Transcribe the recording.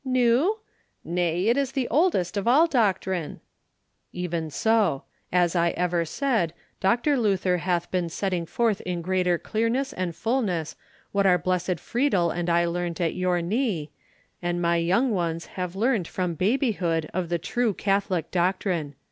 "New? Nay, it is the oldest of all doctrine." "Even so. As I ever said, Dr. Luther hath been setting forth in greater clearness and fulness what our blessed Friedel and I learnt at your knee, and my young ones have learnt from babyhood of the true Catholic doctrine.